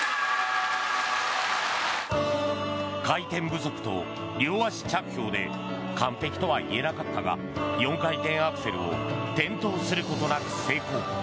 回転不足と両足着氷で完璧とはいえなかったが４回転アクセルを転倒することなく成功。